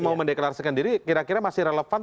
mau mendeklarasikan diri kira kira masih relevan